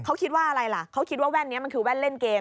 เขาคิดว่าอะไรล่ะเขาคิดว่าแว่นนี้มันคือแว่นเล่นเกม